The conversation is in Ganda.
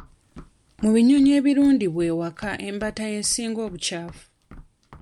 Mu binyonyi ebirundibwa awaka embaata y'esinga obukyafu.